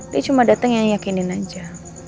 dia cuma dateng yang nyayakinin aja